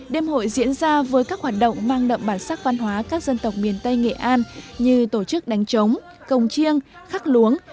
đêm hội diễn ra với các hoạt động mang đậm bản sắc văn hóa các dân tộc miền tây nghệ an như tổ chức đánh trống công chiêng khắc luống